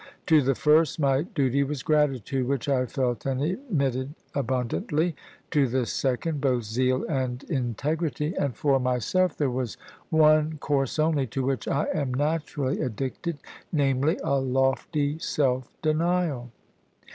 To the first my duty was gratitude (which I felt and emitted abundantly), to the second both zeal and integrity; and for myself there was one course only (to which I am naturally addicted), namely, a lofty self denial.